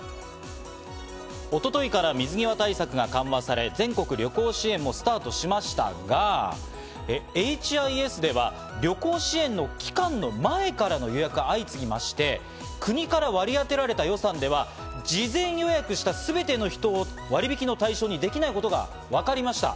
一昨日から水際対策が緩和され、全国旅行支援もスタートしましたが、ＨＩＳでは旅行支援の期間の前からの予約が相次ぎまして、国から割り当てられた予算では事前予約した全ての人を割引の対象にできないことがわかりました。